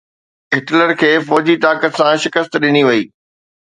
Hitler کي فوجي طاقت سان شڪست ڏني وئي.